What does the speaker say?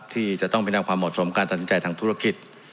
ที่จะต้องพินาความเหมาะสมการตัดสินใจทางธุรกิจ